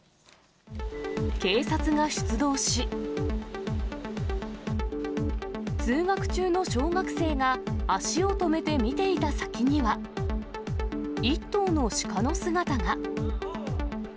警察が出動し、通学中の小学生が足を止めて見ていた先には、１頭のシカの姿が。